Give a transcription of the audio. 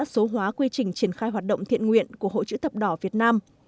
số hóa quy trình triển khai hoạt động thiện nguyện của hội chữ thập đỏ việt nam